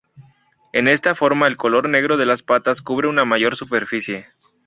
En esta forma el color negro de las patas cubre una mayor superficie.